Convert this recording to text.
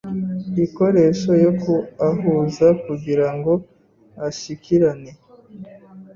iikoresho yo kuahuza kugira ngo ashyikirane